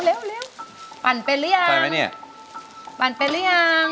ปั่นเป็นหรือยังปั่นเป็นหรือยังใช่ไหมเนี่ย